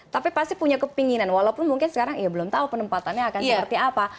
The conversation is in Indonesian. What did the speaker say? tapi pasti punya kepinginan walaupun mungkin sekarang ya belum tahu penempatannya akan seperti apa